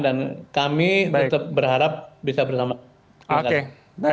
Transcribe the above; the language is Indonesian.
dan kami tetap berharap bisa bersama